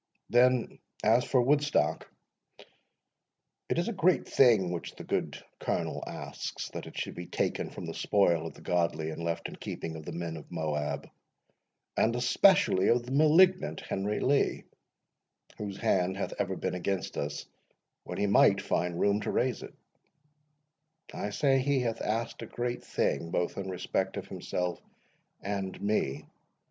Then, as for Woodstock, it is a great thing which the good Colonel asks, that it should be taken from the spoil of the godly and left in keeping of the men of Moab, and especially of the malignant, Henry Lee, whose hand hath been ever against us when he might find room to raise it; I say, he hath asked a great thing, both in respect of himself and me.